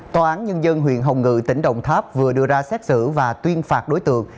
tòa án nhân dân huyện hồng ngự tỉnh đồng tháp vừa đưa ra xét xử và tuyên phạt đối tượng